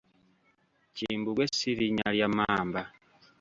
Kimbugwe si linnya lya mmamba.